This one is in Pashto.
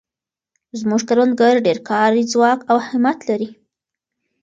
زموږ کروندګر ډېر کاري ځواک او همت لري.